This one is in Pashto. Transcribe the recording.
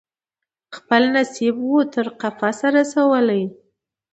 خپل نصیب وو تر قفسه رسولی